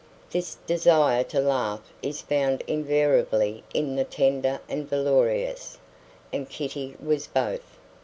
This desire to laugh is found invariably in the tender and valorous; and Kitty was both.